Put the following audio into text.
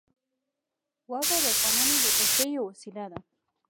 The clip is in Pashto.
واوره د افغانانو د تفریح یوه وسیله ده.